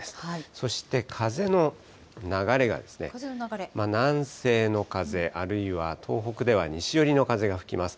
そして風の流れが南西の風、あるいは東北では西寄りの風が吹きます。